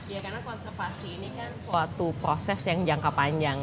ya karena konservasi ini kan suatu proses yang jangka panjang